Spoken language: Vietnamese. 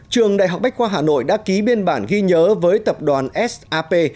trường đại học bách khoa hà nội đã ký biên bản ghi nhớ với tập đoàn sap